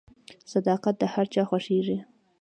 • صداقت د هر چا خوښیږي.